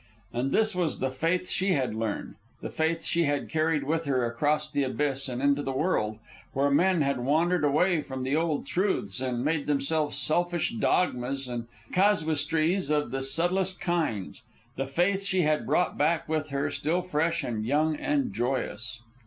And this was the faith she had learned, the faith she had carried with her across the Abyss and into the world, where men had wandered away from the old truths and made themselves selfish dogmas and casuistries of the subtlest kinds; the faith she had brought back with her, still fresh, and young, and joyous.